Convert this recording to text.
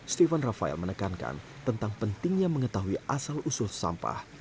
steven rafael menekankan tentang pentingnya mengetahui asal usul sampah